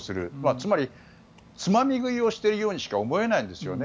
つまりつまみ食いをしているようにしか思えないんですね。